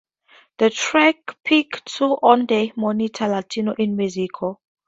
The track peaked two on the Monitor Latino in Mexico.